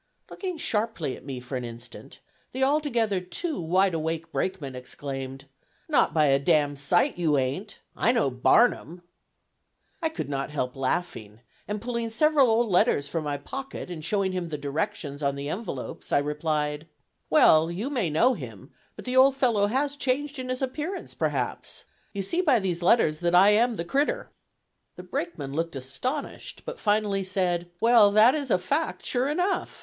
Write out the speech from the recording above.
Looking sharply at me for an instant, the altogether too wide awake brakeman exclaimed: "Not by a d n sight you ain't! I know Barnum!" I could not help laughing; and pulling several old letters from my pocket, and showing him the directions on the envelopes, I replied: "Well, you may know him, but the 'old fellow' has changed in his appearance, perhaps. You see by these letters that I am the 'crittur.'" The brakeman looked astonished, but finally said: "Well, that is a fact sure enough.